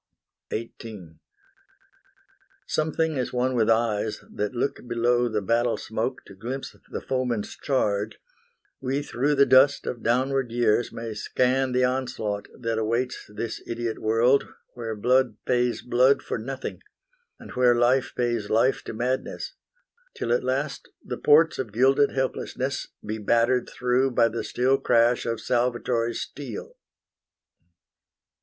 XVIII Something as one with eyes that look below The battle smoke to glimpse the foeman's charge, We through the dust of downward years may scan The onslaught that awaits this idiot world Where blood pays blood for nothing, and where life Pays life to madness, till at last the ports Of gilded helplessness be battered through By the still crash of salvatory steel.